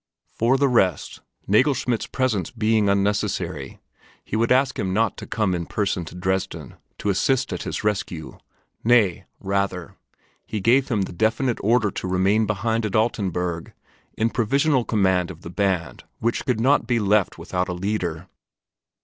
For the rest, Nagelschmidt's presence being unnecessary, he would ask him not to come in person to Dresden to assist at his rescue nay, rather, he gave him the definite order to remain behind in Altenburg in provisional command of the band which could not be left without a leader."